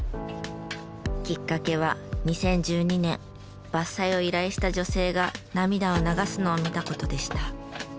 きっかけは２０１２年伐採を依頼した女性が涙を流すのを見た事でした。